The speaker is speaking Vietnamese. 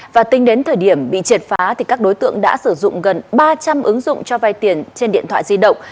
và tính đến thời điểm bị triệt phá các đối tượng đã sử dụng gần ba trăm linh ứng dụng cho vay tiền trên điện thoại di động